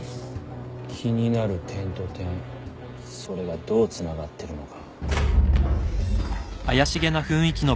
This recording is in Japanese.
気になる点と点それがどうつながってるのか。